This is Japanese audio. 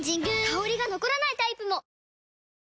香りが残らないタイプも！